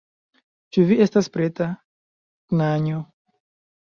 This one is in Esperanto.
Ĉu vi estas preta, knanjo?